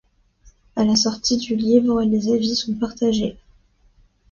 À la sortie du livre, les avis sont partagés.